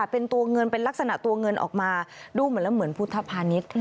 เป็นตัวเงินเป็นลักษณะตัวเงินออกมาดูเหมือนแล้วเหมือนพุทธภานิษฐ์